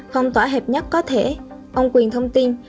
phong tỏa hợp nhất có thể ông quyền thông tin